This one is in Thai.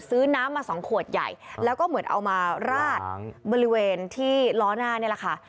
น้ำมาสองขวดใหญ่แล้วก็เหมือนเอามาราดบริเวณที่ล้อหน้านี่แหละค่ะ